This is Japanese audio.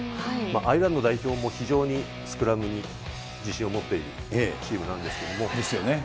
アイルランド代表も非常にスクラムに自信を持っているチームなんですけれども。